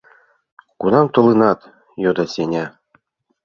— Кунам толынат? — йодо Сеня.